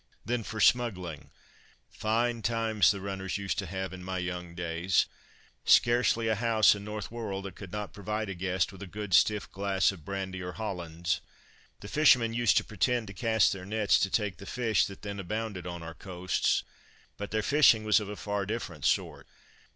Then for smuggling fine times the runners used to have in my young days. Scarcely a house in north Wirral that could not provide a guest with a good stiff glass of brandy or Hollands. The fishermen used to pretend to cast their nets to take the fish that then abounded on our coasts, but their fishing was of a far different sort.